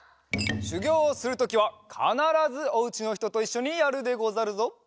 しゅぎょうをするときはかならずおうちのひとといっしょにやるでござるぞ。